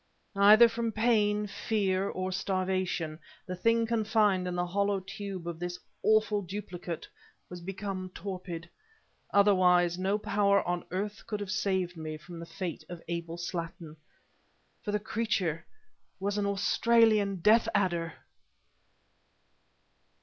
Either from pain, fear or starvation, the thing confined in the hollow tube of this awful duplicate was become torpid. Otherwise, no power on earth could have saved me from the fate of Abel Slattin; for the creature was an Australian death adder.